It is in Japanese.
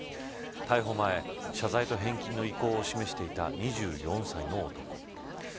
逮捕前、謝罪と返金の意向を示していた２４歳の男。